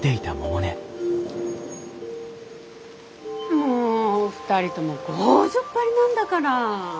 もう２人とも強情っ張りなんだから。